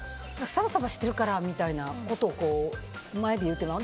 サバサバしてるからみたいなことを言ってまう。